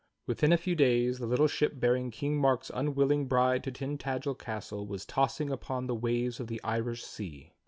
Within a few days the little ship bearing King Mark's unwilling bride to Tintagel castle was tossing upon the waves of the Irish sea.